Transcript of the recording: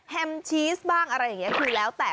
แฮมชีสบ้างอะไรอย่างนี้คือแล้วแต่